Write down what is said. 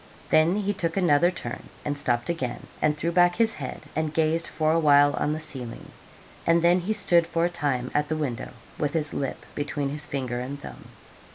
Then he took another turn, and stopped again, and threw back his head, and gazed for a while on the ceiling, and then he stood for a time at the window, with his lip between his finger and thumb.